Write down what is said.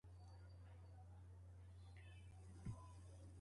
زکی لومی